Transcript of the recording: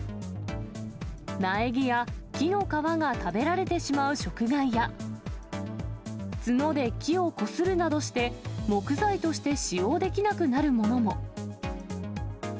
苗木や木の皮が食べられてしまう食害や、角で木をこするなどして、木材として使用できなくなるものも。